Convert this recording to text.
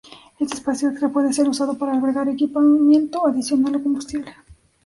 Este espacio extra puede ser usado para albergar equipamiento adicional o combustible.